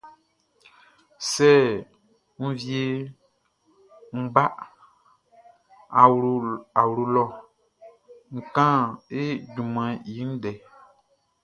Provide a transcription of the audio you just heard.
Sɛ n wieʼn ń bá ɔ awlo lɔ ń kán e junmanʼn i ndɛ.